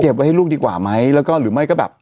เก็บไว้ให้ลูกดีกว่าไหมหรือไม่ก็แบบ